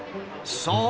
そう！